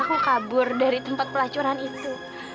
aku kabur dari tempat pelacuran itu